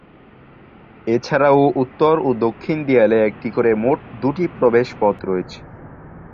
এছাড়াও উত্তর ও দক্ষিণ দেয়ালে একটি করে মোট দুটি প্রবেশপথ রয়েছে।